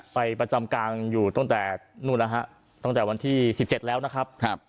ประจำกลางอยู่ตั้งแต่นู่นนะฮะตั้งแต่วันที่๑๗แล้วนะครับ